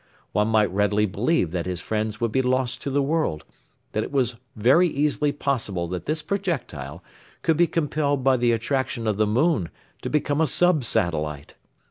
One might readily believe that his friends would be lost to the world; that it was very easily possible that this projectile could be compelled by the attraction of the moon to become a sub satellite.